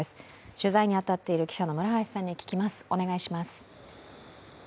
取材に当たっている記者の村橋さんに聞きます。